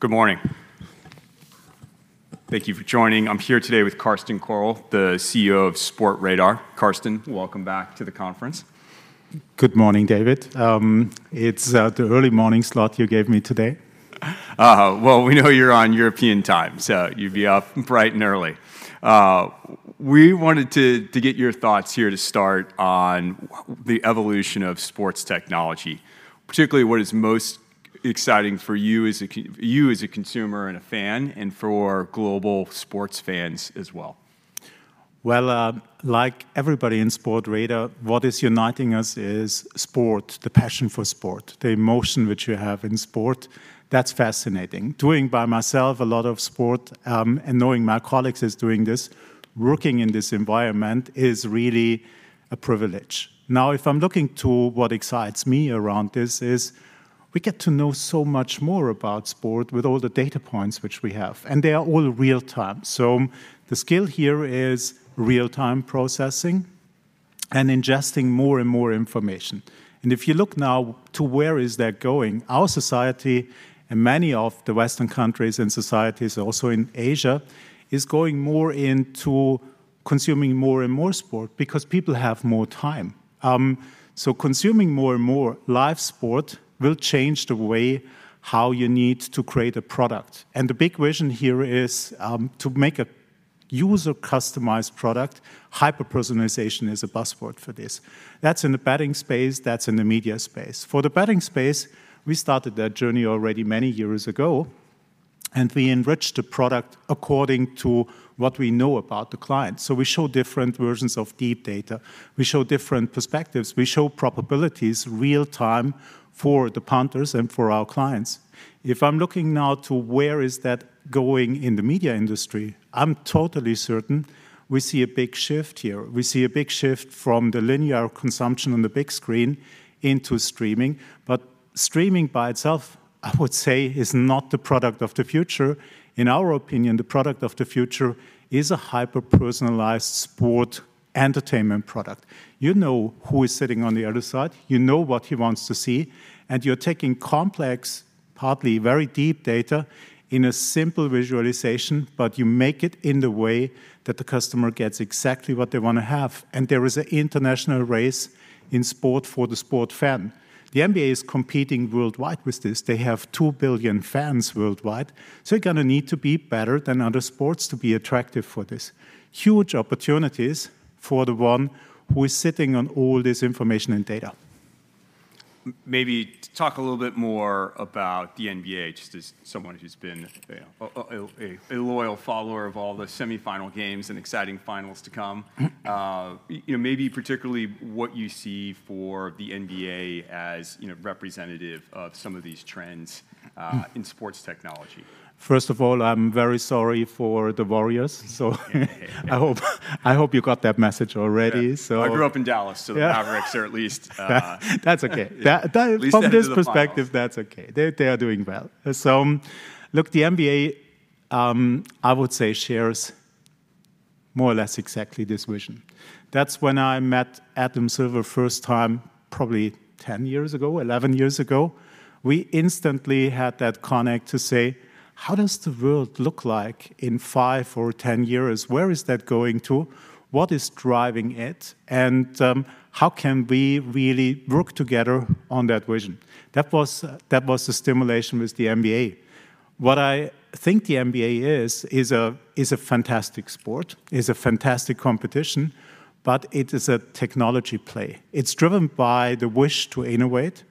Good morning. Thank you for joining. I'm here today with Carsten Koerl, the CEO of Sportradar. Carsten, welcome back to the conference. Good morning, David. It's the early morning slot you gave me today. Well, we know you're on European time, so you'd be up bright and early. We wanted to get your thoughts here to start on the evolution of sports technology, particularly what is most exciting for you as a consumer and a fan, and for global sports fans as well. Well, like everybody in Sportradar, what is uniting us is sport, the passion for sport, the emotion which you have in sport. That's fascinating. Doing by myself a lot of sport, and knowing my colleagues is doing this, working in this environment is really a privilege. Now, if I'm looking to what excites me around this is, we get to know so much more about sport with all the data points which we have, and they are all real-time. The skill here is real-time processing and ingesting more and more information. If you look now to where is that going, our society, and many of the Western countries and societies also in Asia, is going more into consuming more and more sport because people have more time. So consuming more and more live sport will change the way how you need to create a product, and the big vision here is to make a user-customized product. Hyper-personalization is a buzzword for this. That's in the betting space, that's in the media space. For the betting space, we started that journey already many years ago, and we enrich the product according to what we know about the client. So we show different versions of deep data. We show different perspectives. We show probabilities real-time for the punters and for our clients. If I'm looking now to where is that going in the media industry, I'm totally certain we see a big shift here. We see a big shift from the linear consumption on the big screen into streaming, but streaming by itself, I would say is not the product of the future. In our opinion, the product of the future is a hyper-personalized sport entertainment product. You know who is sitting on the other side, you know what he wants to see, and you're taking complex, partly very deep data, in a simple visualization, but you make it in the way that the customer gets exactly what they wanna have. There is an international race in sport for the sport fan. The NBA is competing worldwide with this. They have 2 billion fans worldwide, so you're gonna need to be better than other sports to be attractive for this. Huge opportunities for the one who is sitting on all this information and data. Maybe talk a little bit more about the NBA, just as someone who's been a loyal follower of all the semifinal games and exciting finals to come. You know, maybe particularly what you see for the NBA as, you know, representative of some of these trends in sports technology. First of all, I'm very sorry for the Warriors. I hope, I hope you got that message already. I grew up in Dallas- Yeah... so the Mavericks are at least That's okay. At least they're in the playoffs.... from this perspective, that's okay. They, they are doing well. So look, the NBA, I would say, shares more or less exactly this vision. That's when I met Adam Silver first time, probably 10 years ago, 11 years ago. We instantly had that connect to say: How does the world look like in five or 10 years? Where is that going to? What is driving it, and, how can we really work together on that vision? That was, that was the stimulation with the NBA. What I think the NBA is, is a, is a fantastic sport, is a fantastic competition, but it is a technology play. It's driven by the wish to innovate.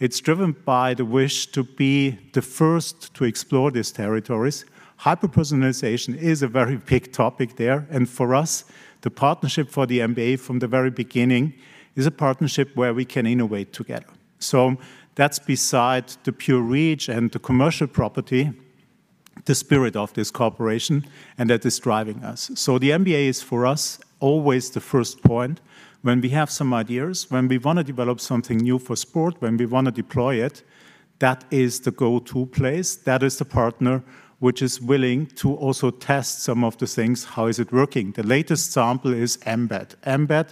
It's driven by the wish to be the first to explore these territories. Hyper-personalization is a very big topic there, and for us, the partnership for the NBA from the very beginning is a partnership where we can innovate together. So that's besides the pure reach and the commercial property, the spirit of this cooperation, and that is driving us. So the NBA is, for us, always the first point when we have some ideas, when we wanna develop something new for sport, when we wanna deploy it, that is the go-to place. That is the partner which is willing to also test some of the things, how is it working? The latest sample is emBET. emBET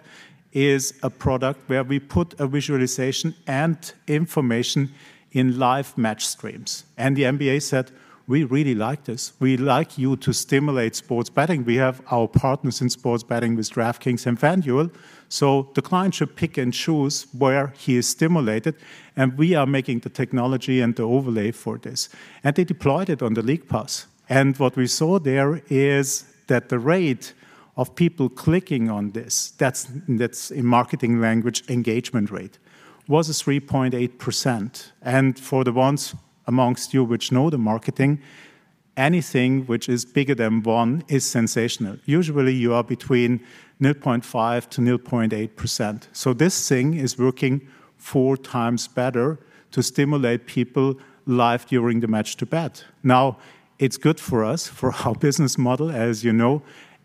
is a product where we put a visualization and information in live match streams. And the NBA said, "We really like this. We'd like you to stimulate sports betting." We have our partners in sports betting with DraftKings and FanDuel, so the client should pick and choose where he is stimulated, and we are making the technology and the overlay for this. They deployed it on the League Pass, and what we saw there is that the rate of people clicking on this, that's, that's in marketing language, engagement rate, was a 3.8%. For the ones among you which know the marketing, anything which is bigger than one is sensational. Usually, you are between 0.5%-0.8%, so this thing is working four times better to stimulate people live during the match to bet. Now, it's good for us, for our business model. As you know,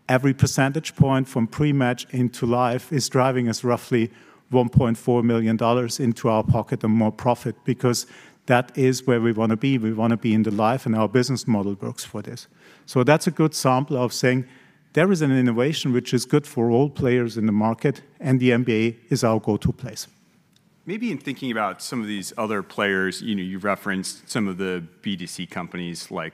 every percentage point from pre-match into live is driving us roughly $1.4 million into our pocket and more profit because that is where we wanna be. We wanna be in the live, and our business model works for this. So that's a good sample of saying there is an innovation which is good for all players in the market, and the NBA is our go-to place.... maybe in thinking about some of these other players, you know, you've referenced some of the B2C companies like,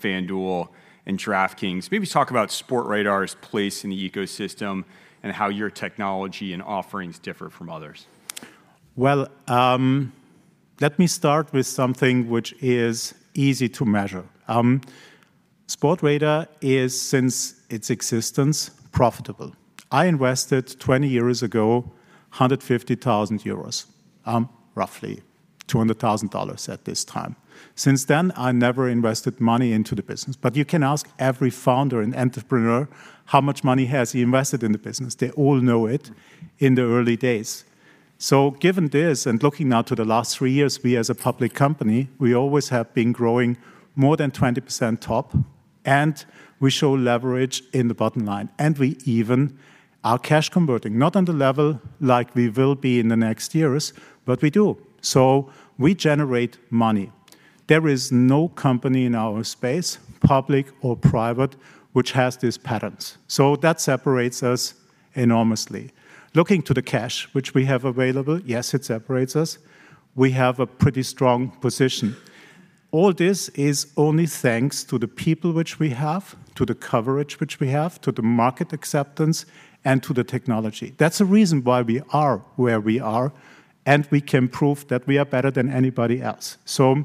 FanDuel and DraftKings. Maybe talk about Sportradar's place in the ecosystem, and how your technology and offerings differ from others? Well, let me start with something which is easy to measure. Sportradar is, since its existence, profitable. I invested, 20 years ago, 150,000 euros, roughly $200,000 at this time. Since then, I never invested money into the business, but you can ask every founder and entrepreneur, how much money has he invested in the business? They all know it in the early days. So given this, and looking now to the last three years, we as a public company, we always have been growing more than 20% top, and we show leverage in the bottom line, and we even are cash converting, not on the level like we will be in the next years, but we do. So we generate money. There is no company in our space, public or private, which has these patterns, so that separates us enormously. Looking to the cash which we have available, yes, it separates us. We have a pretty strong position. All this is only thanks to the people which we have, to the coverage which we have, to the market acceptance, and to the technology. That's the reason why we are where we are, and we can prove that we are better than anybody else. So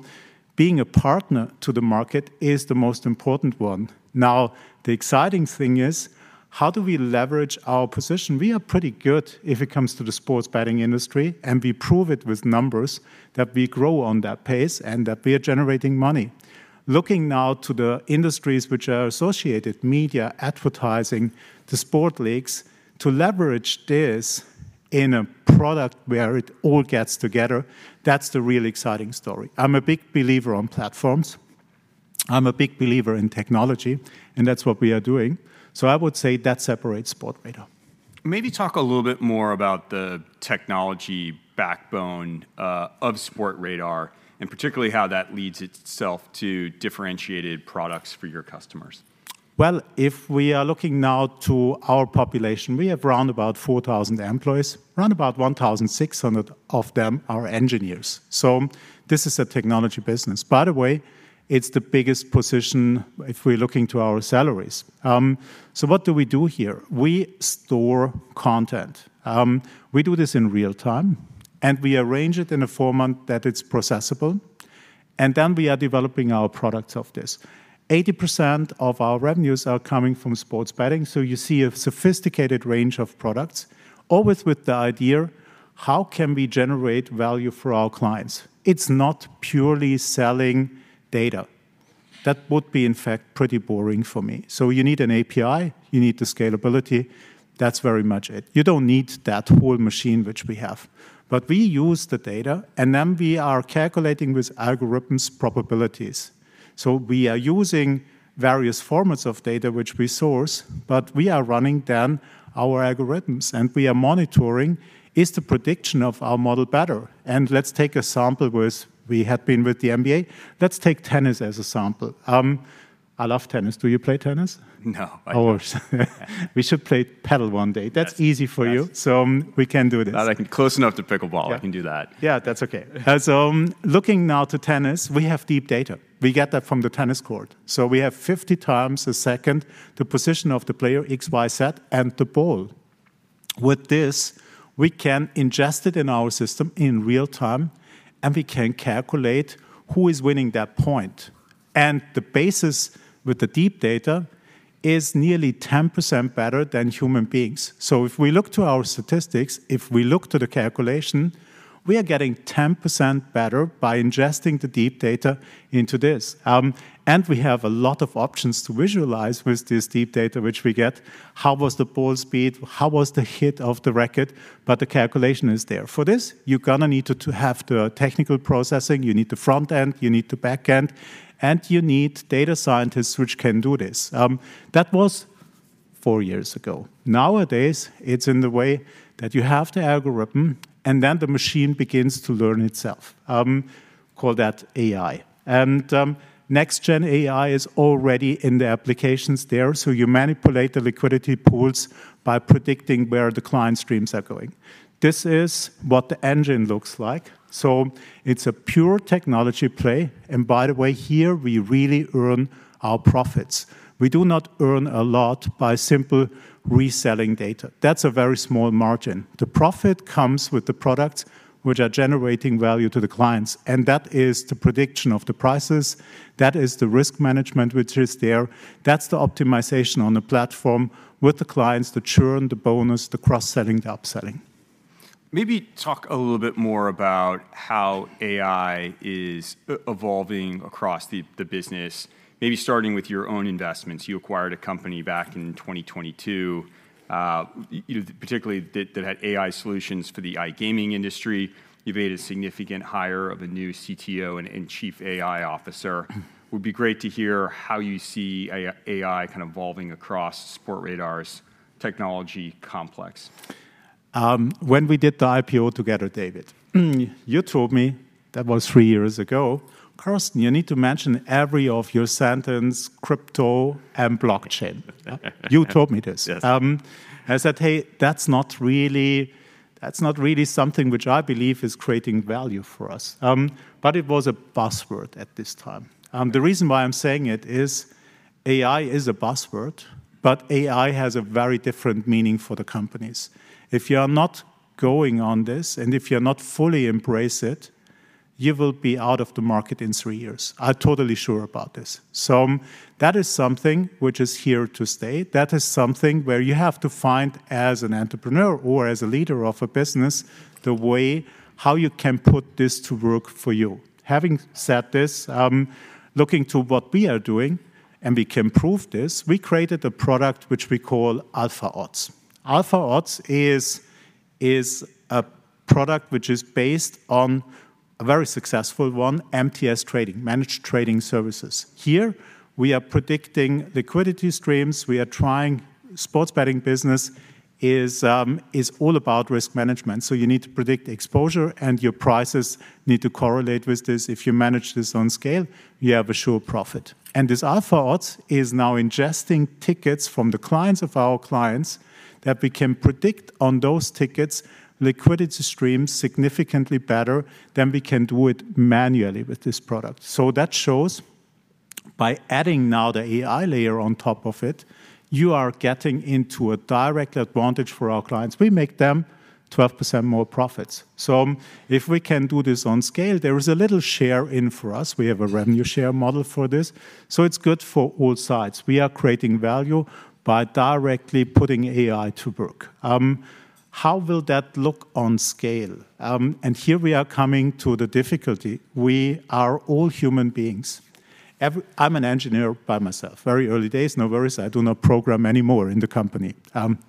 being a partner to the market is the most important one. Now, the exciting thing is, how do we leverage our position? We are pretty good if it comes to the sports betting industry, and we prove it with numbers, that we grow on that pace and that we are generating money. Looking now to the industries which are associated, media, advertising, the sports leagues, to leverage this in a product where it all gets together, that's the really exciting story. I'm a big believer on platforms, I'm a big believer in technology, and that's what we are doing, so I would say that separates Sportradar. Maybe talk a little bit more about the technology backbone, of Sportradar, and particularly how that leads itself to differentiated products for your customers. Well, if we are looking now to our population, we have around about 4,000 employees. Around about 1,600 of them are engineers, so this is a technology business. By the way, it's the biggest position if we're looking to our salaries. So what do we do here? We store content. We do this in real time, and we arrange it in a format that it's processable, and then we are developing our products of this. 80% of our revenues are coming from sports betting, so you see a sophisticated range of products, always with the idea: how can we generate value for our clients? It's not purely selling data. That would be, in fact, pretty boring for me. So you need an API, you need the scalability. That's very much it. You don't need that whole machine which we have. But we use the data, and then we are calculating with algorithms probabilities. So we are using various formats of data which we source, but we are running then our algorithms, and we are monitoring, is the prediction of our model better? And let's take a sample with... We have been with the NBA. Let's take tennis as a sample. I love tennis. Do you play tennis? No, I don't. We should play Padel one day. Yes. That's easy for you, so, we can do this. I can close enough to pickleball. Yeah. I can do that. Yeah, that's okay. So looking now to tennis, we have deep data. We get that from the tennis court. So we have 50 times a second the position of the player, X, Y, Z, and the ball. With this, we can ingest it in our system in real time, and we can calculate who is winning that point, and the basis with the deep data is nearly 10% better than human beings. So if we look to our statistics, if we look to the calculation, we are getting 10% better by ingesting the deep data into this. And we have a lot of options to visualize with this deep data which we get. How was the ball speed? How was the hit of the racket? But the calculation is there. For this, you're gonna need to have the technical processing, you need the front end, you need the back end, and you need data scientists which can do this. That was four years ago. Nowadays, it's in the way that you have the algorithm, and then the machine begins to learn itself. Call that AI. And next gen AI is already in the applications there, so you manipulate the liquidity pools by predicting where the client streams are going. This is what the engine looks like, so it's a pure technology play, and by the way, here, we really earn our profits. We do not earn a lot by simple reselling data. That's a very small margin. The profit comes with the products which are generating value to the clients, and that is the prediction of the prices, that is the risk management which is there, that's the optimization on the platform with the clients, the churn, the bonus, the cross-selling, the upselling. Maybe talk a little bit more about how AI is evolving across the business. Maybe starting with your own investments. You acquired a company back in 2022, particularly that had AI solutions for the iGaming industry. You've made a significant hire of a new CTO and Chief AI officer. Would be great to hear how you see AI kind of evolving across Sportradar's technology complex. When we did the IPO together, David, you told me that was three years ago. "Carsten, you need to mention every of your sentence, crypto and blockchain." You told me this. Yes. I said, "Hey, that's not really, that's not really something which I believe is creating value for us." But it was a buzzword at this time. The reason why I'm saying it is, AI is a buzzword, but AI has a very different meaning for the companies. If you are not going on this, and if you're not fully embrace it, you will be out of the market in three years. I'm totally sure about this. So that is something which is here to stay. That is something where you have to find, as an entrepreneur or as a leader of a business, the way how you can put this to work for you. Having said this, looking to what we are doing, and we can prove this, we created a product which we call Alpha Odds. Alpha Odds is a product which is based on a very successful one, MTS Trading, Managed Trading Services. Here, we are predicting liquidity streams. Sports betting business is all about risk management, so you need to predict exposure, and your prices need to correlate with this. If you manage this on scale, you have a sure profit. And this Alpha Odds is now ingesting tickets from the clients of our clients, that we can predict on those tickets, liquidity streams significantly better than we can do it manually with this product. So that shows by adding now the AI layer on top of it, you are getting into a direct advantage for our clients. We make them 12% more profits. So if we can do this on scale, there is a little share in for us. We have a revenue share model for this, so it's good for all sides. We are creating value by directly putting AI to work. How will that look on scale? Here we are coming to the difficulty. We are all human beings. I'm an engineer by myself, very early days. No worries, I do not program anymore in the company.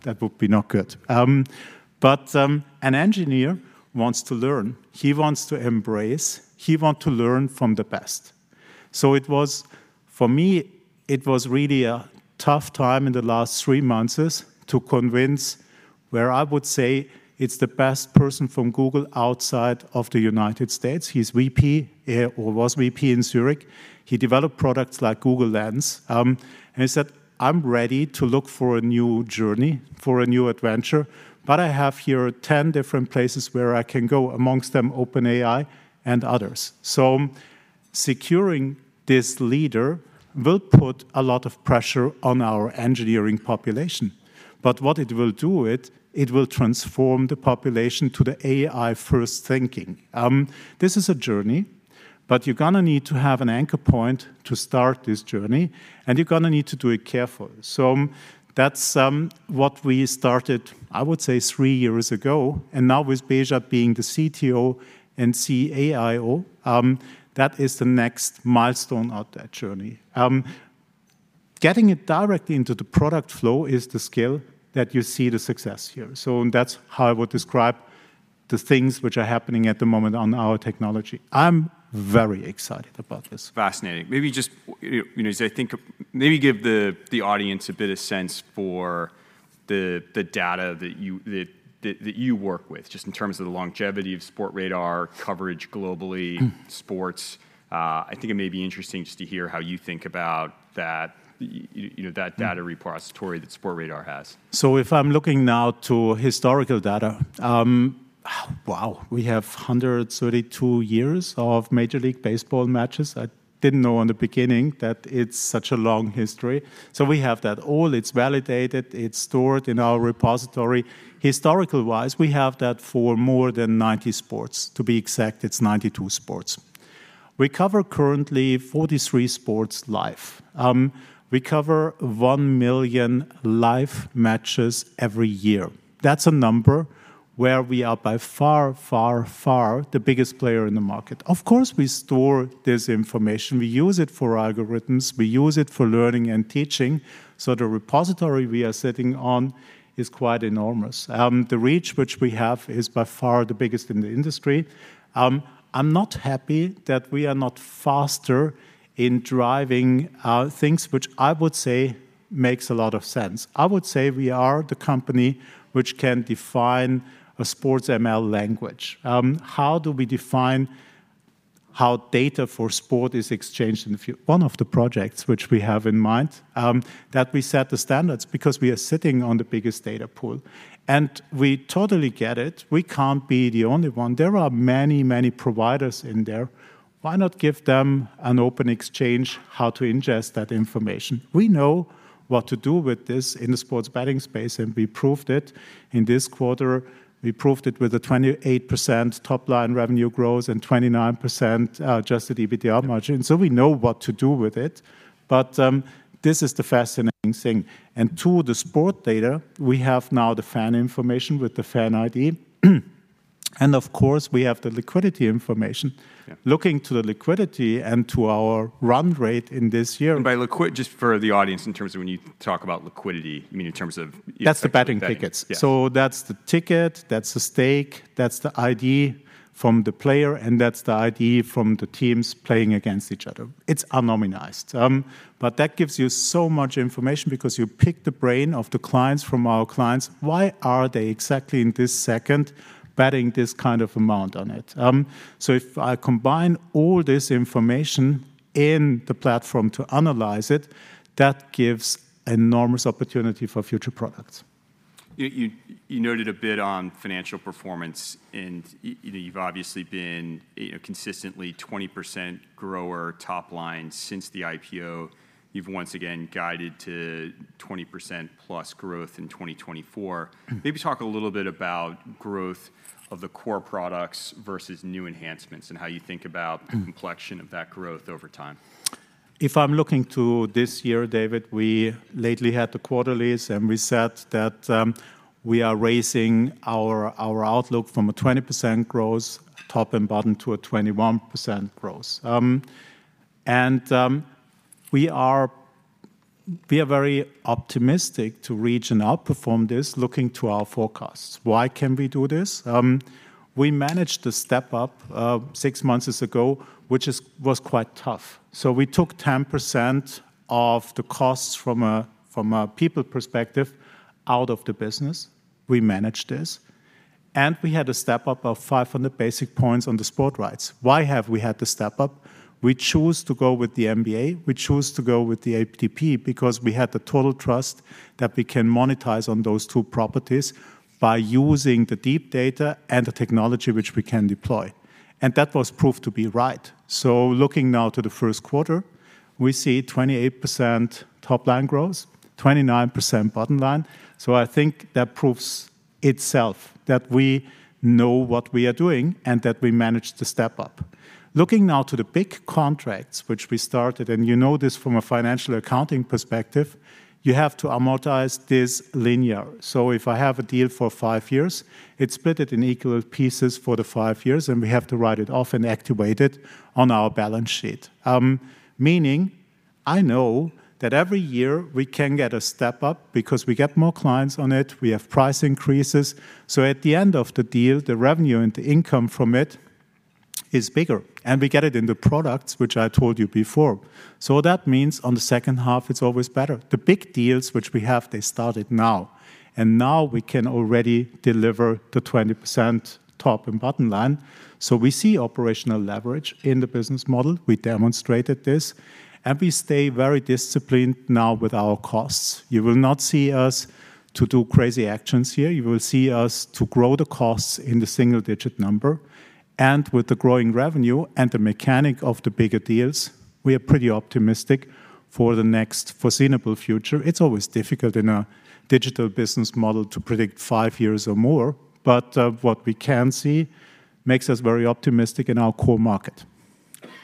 That would be not good. An engineer wants to learn. He wants to embrace, he want to learn from the best. So it was, for me, it was really a tough time in the last three months to convince, where I would say it's the best person from Google outside of the United States. He's VP, or was VP in Zurich. He developed products like Google Lens, and he said, "I'm ready to look for a new journey, for a new adventure, but I have here 10 different places where I can go, amongst them, OpenAI and others." So securing this leader will put a lot of pressure on our engineering population, but what it will do, it, it will transform the population to the AI-first thinking. This is a journey, but you're gonna need to have an anchor point to start this journey, and you're gonna need to do it carefully. So that's what we started, I would say, three years ago, and now with Behshad being the CTO and CAIO, that is the next milestone of that journey. Getting it directly into the product flow is the scale that you see the success here. So that's how I would describe the things which are happening at the moment on our technology. I'm very excited about this. Fascinating. Maybe give the audience a bit of sense for the data that you work with, just in terms of the longevity of Sportradar, coverage globally. Mm. -sports. I think it may be interesting just to hear how you think about that, you know, that data- Mm... repository that Sportradar has. So if I'm looking now to historical data, wow, we have 132 years of Major League Baseball matches. I didn't know in the beginning that it's such a long history. So we have that all. It's validated, it's stored in our repository. Historical-wise, we have that for more than 90 sports. To be exact, it's 92 sports. We cover currently 43 sports live. We cover 1 million live matches every year. That's a number where we are by far, far, far the biggest player in the market. Of course, we store this information. We use it for algorithms, we use it for learning and teaching, so the repository we are sitting on is quite enormous. The reach which we have is by far the biggest in the industry. I'm not happy that we are not faster in driving things which I would say makes a lot of sense. I would say we are the company which can define a sports ML language. How do we define how data for sport is exchanged in the future? One of the projects which we have in mind, that we set the standards, because we are sitting on the biggest data pool. We totally get it. We can't be the only one. There are many, many providers in there. Why not give them an open exchange how to ingest that information? We know what to do with this in the sports betting space, and we proved it in this quarter. We proved it with a 28% top-line revenue growth and 29% adjusted EBITDA margin. We know what to do with it, but this is the fascinating thing. To the sports data, we have now the fan information with the FanID. Of course, we have the liquidity information. Yeah. Looking to the liquidity and to our run rate in this year- And by liquid, just for the audience, in terms of when you talk about liquidity, you mean in terms of- That's the betting tickets. Yeah. So that's the ticket, that's the stake, that's the ID from the player, and that's the ID from the teams playing against each other. It's anonymized. But that gives you so much information because you pick the brains of our clients. Why are they exactly in this second betting this kind of amount on it? So if I combine all this information in the platform to analyze it, that gives enormous opportunity for future products.... You noted a bit on financial performance, and you know, you've obviously been, you know, consistently 20% grower top line since the IPO. You've once again guided to 20%+ growth in 2024. Mm. Maybe talk a little bit about growth of the core products versus new enhancements, and how you think about- Mm the complexion of that growth over time. If I'm looking to this year, David, we lately had the quarterlies, and we said that we are raising our outlook from a 20% growth, top and bottom, to a 21% growth. And we are very optimistic to reach and outperform this, looking to our forecasts. Why can we do this? We managed to step up six months ago, which was quite tough. So we took 10% of the costs from a people perspective out of the business. We managed this, and we had a step up of 500 basis points on the sports rights. Why have we had to step up? We choose to go with the NBA, we choose to go with the ATP, because we had the total trust that we can monetize on those two properties by using the deep data and the technology which we can deploy, and that was proved to be right. So looking now to the first quarter, we see 28% top line growth, 29% bottom line. So I think that proves itself that we know what we are doing and that we managed to step up. Looking now to the big contracts, which we started, and you know this from a financial accounting perspective, you have to amortize this linear. So if I have a deal for five years, it's split it in equal pieces for the five years, and we have to write it off and activate it on our balance sheet. Meaning, I know that every year we can get a step up because we get more clients on it, we have price increases. So at the end of the deal, the revenue and the income from it is bigger, and we get it in the products, which I told you before. So that means on the second half, it's always better. The big deals which we have, they started now, and now we can already deliver the 20% top and bottom line. So we see operational leverage in the business model. We demonstrated this, and we stay very disciplined now with our costs. You will not see us to do crazy actions here. You will see us to grow the costs in the single-digit number, and with the growing revenue and the mechanic of the bigger deals, we are pretty optimistic for the next foreseeable future. It's always difficult in a digital business model to predict five years or more, but, what we can see makes us very optimistic in our core market.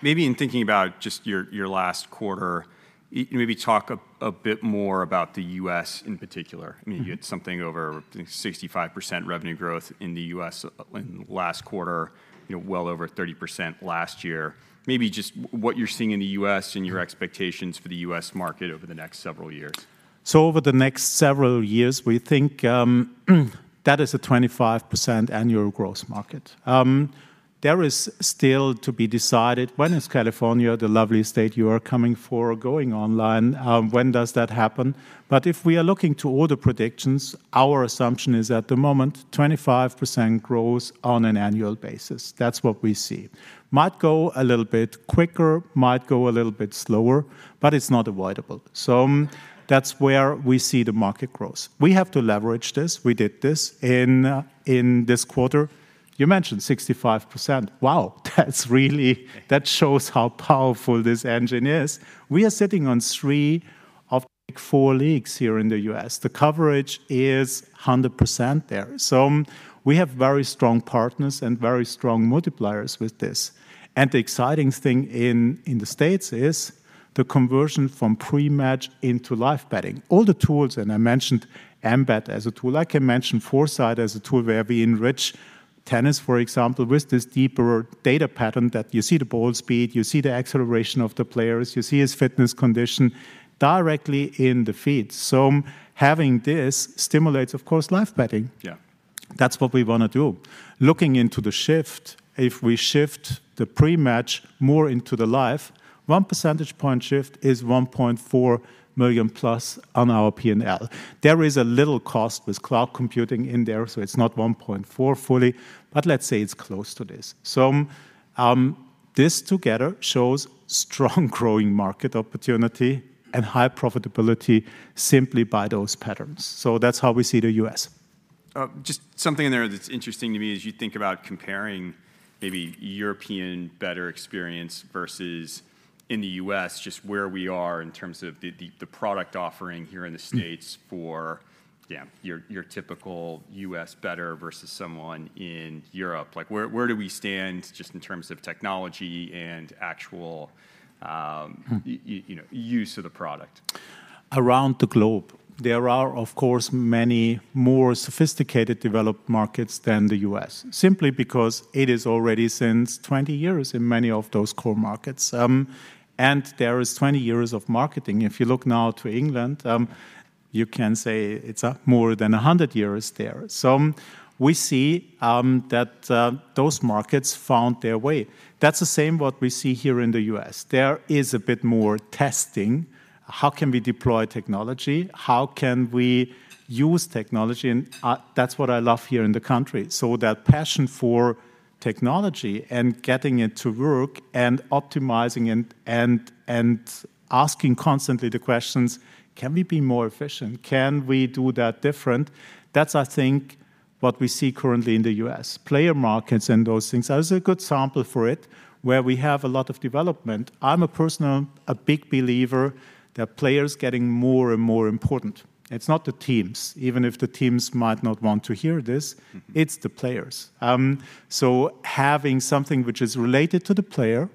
Maybe in thinking about just your last quarter, maybe talk a bit more about the U.S. in particular. Mm-hmm. I mean, you had something over, I think, 65% revenue growth in the U.S. in the last quarter, you know, well over 30% last year. Maybe just what you're seeing in the U.S. and your expectations for the U.S. market over the next several years. So over the next several years, we think, that is a 25% annual growth market. There is still to be decided, when is California, the lovely state you are coming for, going online? When does that happen? But if we are looking to all the predictions, our assumption is, at the moment, 25% growth on an annual basis. That's what we see. Might go a little bit quicker, might go a little bit slower, but it's not avoidable. So, that's where we see the market growth. We have to leverage this. We did this in, in this quarter. You mentioned 65%. Wow! That's really- that shows how powerful this engine is. We are sitting on three of four leagues here in the U.S. The coverage is 100% there. So, we have very strong partners and very strong multipliers with this. The exciting thing in the States is the conversion from pre-match into live betting. All the tools, and I mentioned emBET as a tool, I can mention 4Sight as a tool, where we enrich tennis, for example, with this deeper data pattern that you see the ball speed, you see the acceleration of the players, you see his fitness condition directly in the feed. So having this stimulates, of course, live betting. Yeah. That's what we wanna do. Looking into the shift, if we shift the pre-match more into the live, one percentage point shift is 1.4 million plus on our P&L. There is a little cost with cloud computing in there, so it's not 1.4 fully, but let's say it's close to this. So, this together shows strong growing market opportunity and high profitability simply by those patterns. So that's how we see the U.S. Just something in there that's interesting to me, as you think about comparing maybe European bettor experience versus in the U.S., just where we are in terms of the product offering here in the States- Mm... for, yeah, your typical U.S. bettor versus someone in Europe, like where, where do we stand just in terms of technology and actual, Mm... you know, use of the product? Around the globe, there are, of course, many more sophisticated developed markets than the U.S., simply because it is already since 20 years in many of those core markets. And there is 20 years of marketing. If you look now to England, you can say it's more than 100 years there. So we see that those markets found their way. That's the same what we see here in the U.S. There is a bit more testing. How can we deploy technology? How can we use technology? And that's what I love here in the country. So that passion for technology and getting it to work, and optimizing it, and asking constantly the questions: "Can we be more efficient? Can we do that different?" That's, I think, what we see currently in the U.S. Player markets and those things, that is a good sample for it, where we have a lot of development. I'm personally a big believer that players are getting more and more important. It's not the teams, even if the teams might not want to hear this- Mm-hmm. It's the players. So having something which is related to the player,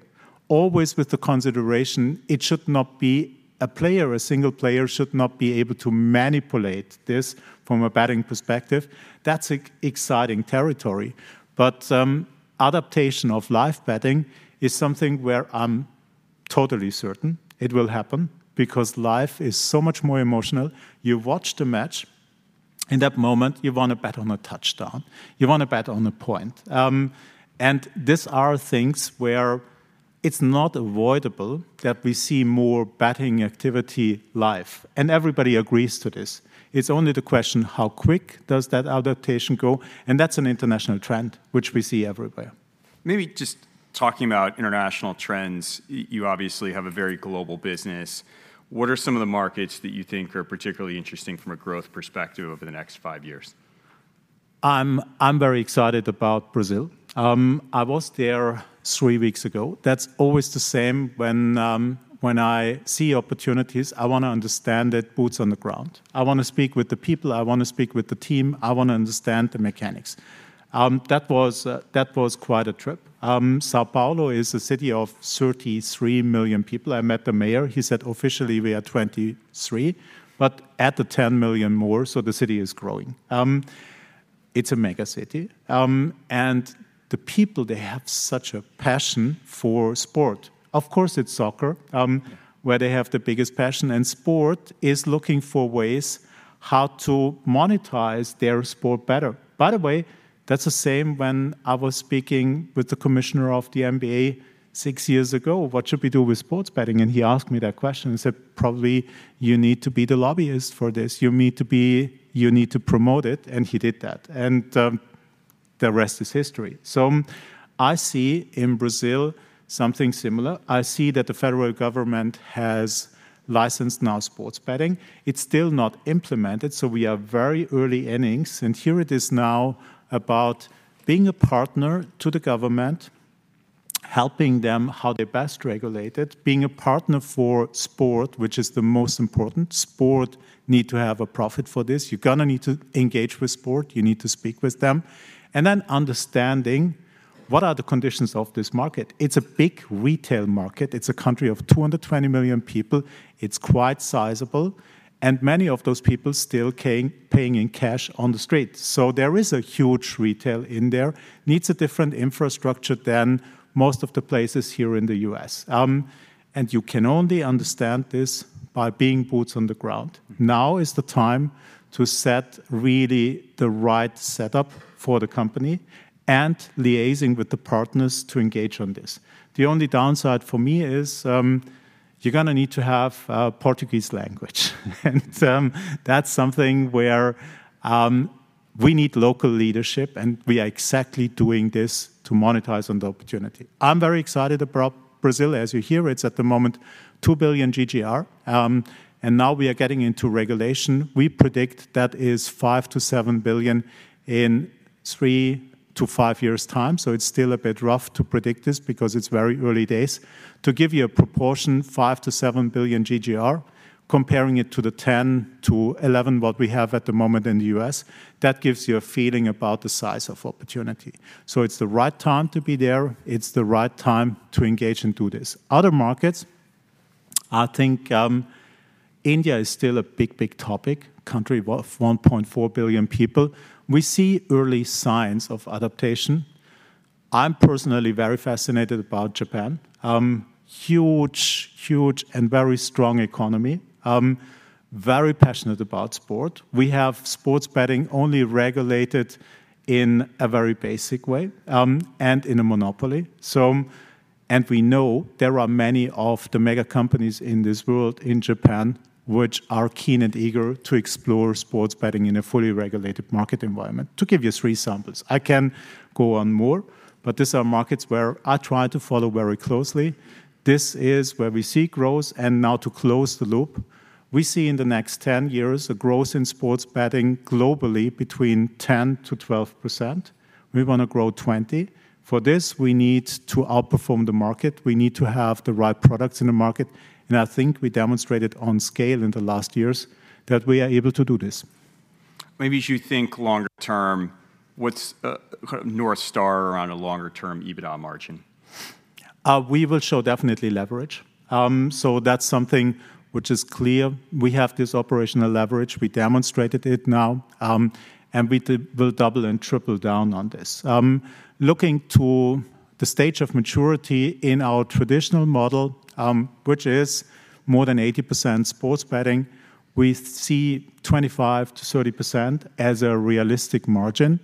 always with the consideration, it should not be a player, a single player should not be able to manipulate this from a betting perspective, that's exciting territory. But, adaptation of live betting is something where I'm totally certain it will happen because life is so much more emotional. You watch the match, in that moment, you want to bet on a touchdown, you want to bet on a point. And these are things where it's not avoidable that we see more betting activity live, and everybody agrees to this. It's only the question, how quick does that adaptation go? And that's an international trend, which we see everywhere. Maybe just talking about international trends, you obviously have a very global business. What are some of the markets that you think are particularly interesting from a growth perspective over the next five years? I'm very excited about Brazil. I was there three weeks ago. That's always the same when I see opportunities, I want to understand it, boots on the ground. I want to speak with the people, I want to speak with the team, I want to understand the mechanics. That was quite a trip. São Paulo is a city of 33 million people. I met the mayor, he said, "Officially, we are 23, but add 10 million more, so the city is growing." It's a mega city. And the people, they have such a passion for sport. Of course, it's soccer where they have the biggest passion, and sport is looking for ways how to monetize their sport better. By the way, that's the same when I was speaking with the commissioner of the NBA six years ago, "What should we do with sports betting?" And he asked me that question. I said, "Probably you need to be the lobbyist for this. You need to be-- You need to promote it," and he did that, and, the rest is history. So I see in Brazil something similar. I see that the federal government has licensed now sports betting. It's still not implemented, so we are very early innings, and here it is now about being a partner to the government, helping them how they best regulate it, being a partner for sport, which is the most important. Sport need to have a profit for this. You're going to need to engage with sport, you need to speak with them. And then understanding what are the conditions of this market? It's a big retail market. It's a country of 220 million people. It's quite sizable, and many of those people still paying in cash on the street. So there is a huge retail in there, needs a different infrastructure than most of the places here in the U.S. And you can only understand this by being boots on the ground. Mm-hmm. Now is the time to set really the right setup for the company and liaising with the partners to engage on this. The only downside for me is, you're going to need to have, Portuguese language and, that's something where, we need local leadership, and we are exactly doing this to monetize on the opportunity. I'm very excited about Brazil. As you hear, it's at the moment, $2 billion GGR, and now we are getting into regulation. We predict that is $5 billion-$7 billion GGR in three to five years' time, so it's still a bit rough to predict this because it's very early days. To give you a proportion, $5 billion-$7 billion GGR, comparing it to the 10-11, what we have at the moment in the U.S., that gives you a feeling about the size of opportunity. So it's the right time to be there, it's the right time to engage and do this. Other markets, I think, India is still a big, big topic, country of 1.4 billion people. We see early signs of adaptation. I'm personally very fascinated about Japan. Huge, huge, and very strong economy. Very passionate about sport. We have sports betting only regulated in a very basic way, and in a monopoly. And we know there are many of the mega companies in this world, in Japan, which are keen and eager to explore sports betting in a fully regulated market environment. To give you three samples, I can go on more, but these are markets where I try to follow very closely. This is where we see growth, and now to close the loop, we see in the next 10 years, a growth in sports betting globally between 10%-12%. We want to grow 20%. For this, we need to outperform the market. We need to have the right products in the market, and I think we demonstrated on scale in the last years that we are able to do this. Maybe as you think longer term, what's kind of North Star around a longer-term EBITDA margin? We will show definitely leverage. So that's something which is clear. We have this operational leverage. We demonstrated it now, and we will double and triple down on this. Looking to the stage of maturity in our traditional model, which is more than 80% sports betting, we see 25%-30% as a realistic margin.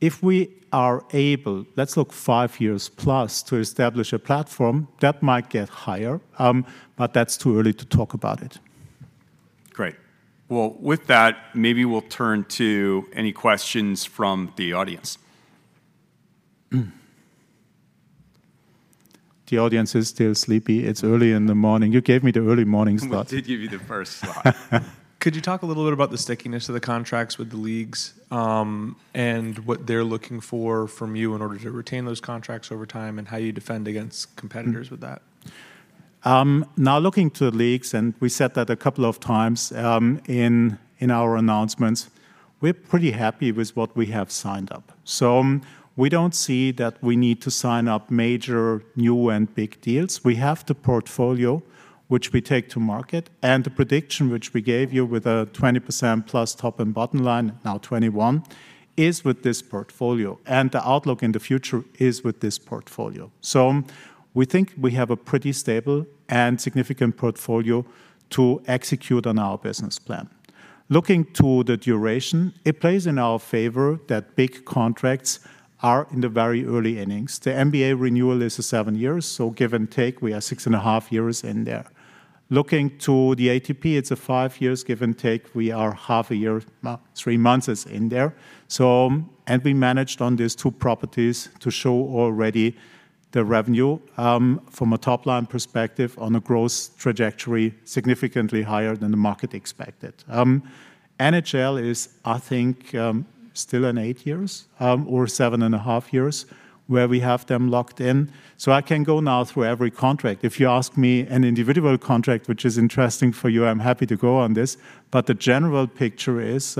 If we are able, let's look five years plus, to establish a platform, that might get higher, but that's too early to talk about it.... Great. Well, with that, maybe we'll turn to any questions from the audience. The audience is still sleepy. It's early in the morning. You gave me the early morning slot. We did give you the first slot. Could you talk a little bit about the stickiness of the contracts with the leagues, and what they're looking for from you in order to retain those contracts over time, and how you defend against competitors with that? Now looking to the leagues, and we said that a couple of times, in our announcements, we're pretty happy with what we have signed up. So we don't see that we need to sign up major new and big deals. We have the portfolio, which we take to market, and the prediction which we gave you with a 20%+ top and bottom line, now 21, is with this portfolio, and the outlook in the future is with this portfolio. So we think we have a pretty stable and significant portfolio to execute on our business plan. Looking to the duration, it plays in our favor that big contracts are in the very early innings. The NBA renewal is seven years, so give and take, we are six and a half years in there. Looking to the ATP, it's five years, give and take. We are half a year, three months is in there. So, and we managed on these two properties to show already the revenue from a top-line perspective on a growth trajectory significantly higher than the market expected. NHL is, I think, still in eight years or seven and a half years, where we have them locked in. So I can go now through every contract. If you ask me an individual contract, which is interesting for you, I'm happy to go on this, but the general picture is,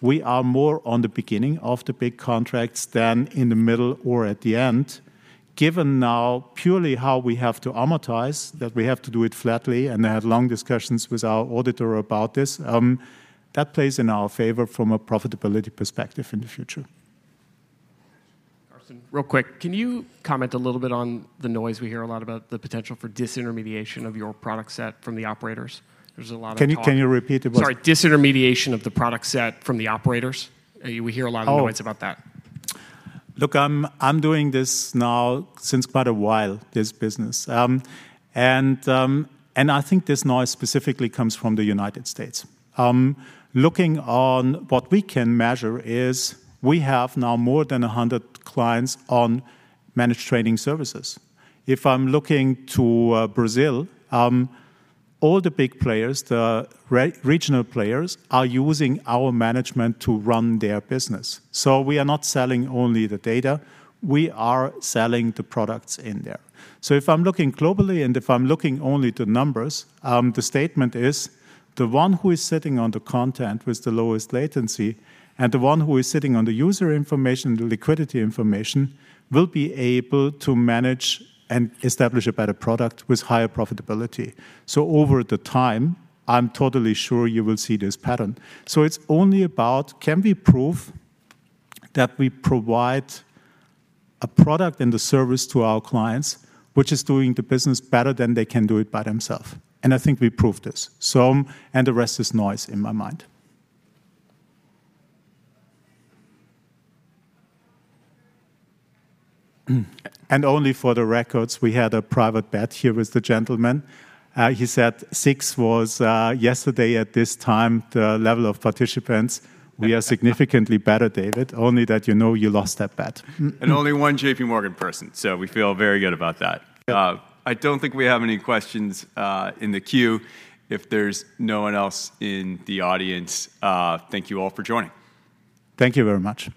we are more on the beginning of the big contracts than in the middle or at the end. Given now purely how we have to amortize, that we have to do it flatly, and I had long discussions with our auditor about this, that plays in our favor from a profitability perspective in the future. Carsten, real quick, can you comment a little bit on the noise we hear a lot about the potential for disintermediation of your product set from the operators? There's a lot of talk- Can you repeat it about- Sorry. Disintermediation of the product set from the operators. We hear a lot of- Oh... noise about that. Look, I'm doing this now since quite a while, this business. And I think this noise specifically comes from the United States. Looking on what we can measure is we have now more than 100 clients on Managed Trading Services. If I'm looking to Brazil, all the big players, the regional players, are using our management to run their business. So we are not selling only the data, we are selling the products in there. So if I'm looking globally, and if I'm looking only to numbers, the statement is, the one who is sitting on the content with the lowest latency and the one who is sitting on the user information, the liquidity information, will be able to manage and establish a better product with higher profitability. So over the time, I'm totally sure you will see this pattern. So it's only about, can we prove that we provide a product and a service to our clients, which is doing the business better than they can do it by themselves? And I think we proved this. So, and the rest is noise in my mind. And only for the record, we had a private bet here with the gentleman. He said 6 was yesterday at this time, the level of participants. We are significantly better, David. Only that you know you lost that bet. Only one J.P. Morgan person, so we feel very good about that. Yeah. I don't think we have any questions in the queue. If there's no one else in the audience, thank you all for joining. Thank you very much.